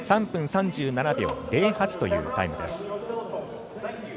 ３分３７秒０８というタイムです。